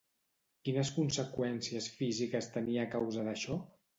Quines conseqüències físiques tenia a causa d'això?